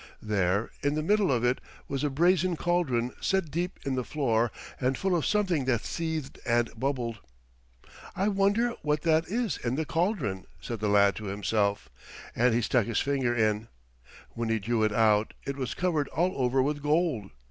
There in the middle of it was a brazen caldron set deep in the floor and full of something that seethed and bubbled. "I wonder what that is in the caldron," said the lad to himself, and he stuck his finger in. When he drew it out it was covered all over with gold.